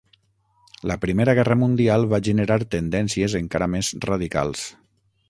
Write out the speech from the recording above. La Primera Guerra Mundial va generar tendències encara més radicals.